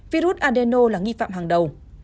virus adeno là nghi phạm hàng đầu